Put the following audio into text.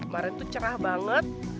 maret itu cerah banget